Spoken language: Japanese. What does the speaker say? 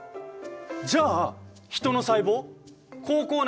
じゃあヒトの細胞口腔内